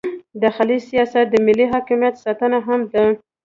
داخلي سیاست د ملي حاکمیت ساتنه هم ده.